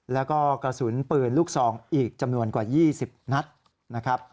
แล้วก็กระสุนปืนลูกซองอีกจำนวนกว่า๒๐นัดนะครับ